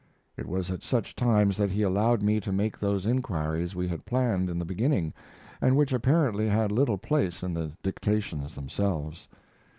It was at such times that he allowed me to make those inquiries we had planned in the beginning, and which apparently had little place in the dictations themselves.